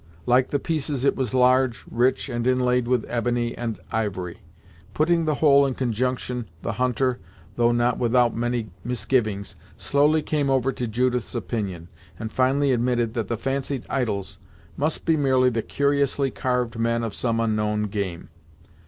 Like the pieces it was large, rich, and inlaid with ebony and ivory. Putting the whole in conjunction the hunter, though not without many misgivings, slowly came over to Judith's opinion, and finally admitted that the fancied idols must be merely the curiously carved men of some unknown game.